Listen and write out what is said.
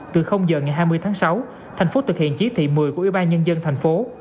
từ giờ ngày hai mươi tháng sáu thành phố thực hiện chỉ thị một mươi của ủy ban nhân dân thành phố